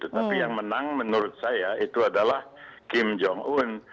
tapi yang menang menurut saya itu adalah kim jong un